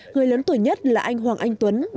người lớn tuổi nhất là anh hoàng anh tuấn